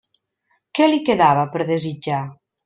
Què li quedava per desitjar?